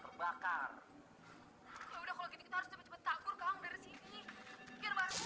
kalau gini kita harus cepet cepet takur keang dari sini